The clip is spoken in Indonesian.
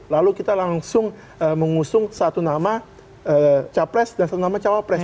lalu kita langsung mengusung satu nama capres dan satu nama cawapres